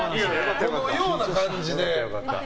このような感じで。